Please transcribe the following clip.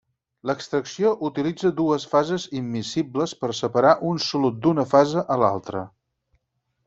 L'extracció utilitza dues fases immiscibles per separar un solut d'una fase a l'altra.